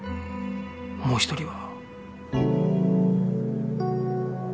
もう１人は